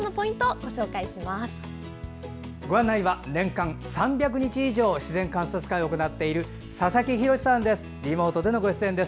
ご案内は年間３００日以上、自然観察会を行っている佐々木洋さんです。